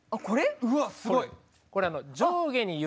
うわっすごい！